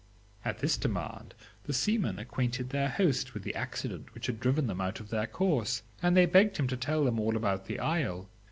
"At this demand the seamen acquainted their host with the accident which had driven them out of their course, and they begged him to tell them all about the isle.